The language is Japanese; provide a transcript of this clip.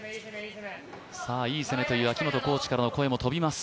「いい攻め」という秋本コーチからの声も飛びます。